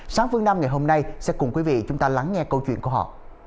sáng phương nam ngày hôm nay sẽ cùng quý vị chúng ta lắng nghe câu chuyện của họ